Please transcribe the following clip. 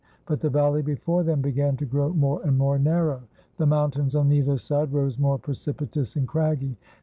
But the valley before them began to grow more and more narrow. The mountains on either side rose more precipitous and craggy.